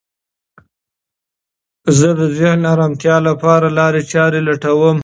زه د ذهني ارامتیا لپاره لارې چارې لټوم.